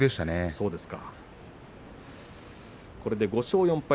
これで５勝４敗